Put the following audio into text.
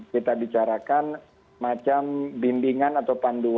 kita bicarakan macam bimbingan atau panduan